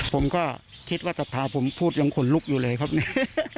ผมก็คิดว่าศรัทธาผมพูดยังขนลุกอยู่เลยครับเนี่ย